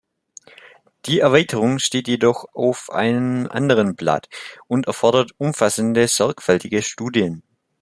Die Erweiterung steht jedoch auf einem anderen Blatt und erfordert umfassende, sorgfältige Studien.